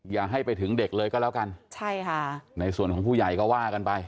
อย่าให้ไปถึงเด็กเลยก็แล้วกันใช่ค่ะในส่วนของผู้ใหญ่ก็ว่ากันไป